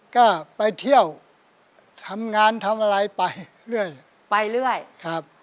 ก็ไปเที่ยวทำงานทำอะไรไปเรื่อยไปเรื่อยครับ